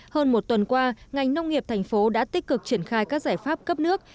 hơn một tuần qua ngành nông nghiệp thành phố đã tích cực triển khai các giải pháp cấp nước